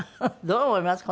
どう思います？